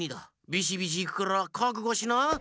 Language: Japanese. ビシビシいくからかくごしな！